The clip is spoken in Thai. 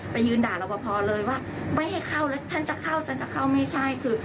ไปยืนด่ารระบบพอคเลยว่าไม่เค้าท่านจะเข้าไม่ใช่